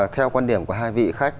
theo quan điểm của hai vị khách